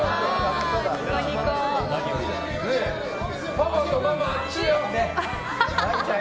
パパとママ、あっちだよ。